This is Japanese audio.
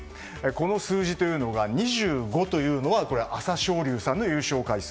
この数字２５というのは朝青龍さんの優勝回数。